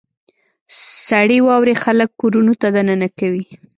• سړې واورې خلک کورونو ته دننه کوي.